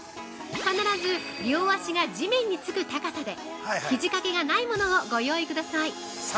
必ず両足が地面につく高さでひじ掛けがないものをご用意ください。